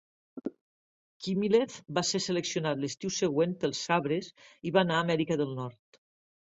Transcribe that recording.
Khmylev va ser seleccionat l'estiu següent pels Sabres i va anar a Amèrica del Nord.